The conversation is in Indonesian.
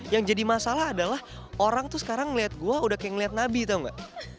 yang jadi masalah adalah orang tuh sekarang ngeliat gue udah kayak ngeliat nabi tuh mbak